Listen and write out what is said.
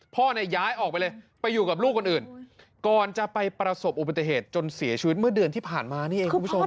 พ่อเนี่ยย้ายออกไปเลยไปอยู่กับลูกคนอื่นก่อนจะไปประสบอุบัติเหตุจนเสียชีวิตเมื่อเดือนที่ผ่านมานี่เองคุณผู้ชม